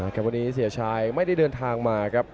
วันนี้เสียชายไม่ได้เดินทางมาครับ